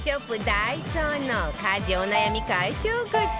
ダイソーの家事お悩み解消グッズ